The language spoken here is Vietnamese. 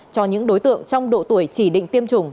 cho những đối tượng trong độ tuổi chỉ định tiêm chủng